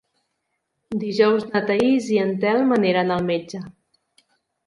Dijous na Thaís i en Telm aniran al metge.